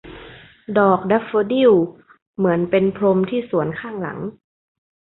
ดอกแดฟโฟดิลเหมือนเป็นพรมที่สวนข้างหลัง